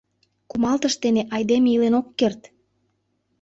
— Кумалтыш дене айдеме илен ок керт!